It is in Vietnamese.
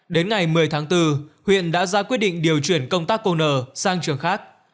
đến ngày một mươi tháng bốn huyện đã ra quyết định điều chuyển công tác cô nở sang trường khác